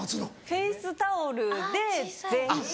フェースタオルで全身。